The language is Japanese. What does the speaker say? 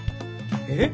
えっ？